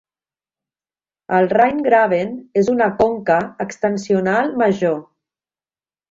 El Rhine Graben és una conca extensional major.